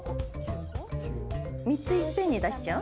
３ついっぺんに出しちゃう？